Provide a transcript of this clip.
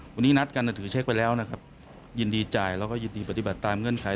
วันนี้นัดกันถือเช็คไปแล้วนะครับยินดีจ่ายแล้วก็ยินดีปฏิบัติตามเงื่อนไข